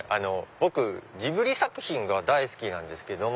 僕ジブリ作品が大好きなんですけど。